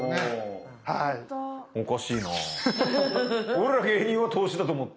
俺ら芸人は投資だと思って。